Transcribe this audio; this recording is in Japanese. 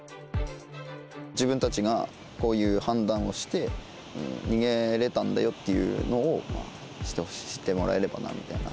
自分たちがこういう判断をして逃げれたんだよっていうのを知ってもらえればなみたいな。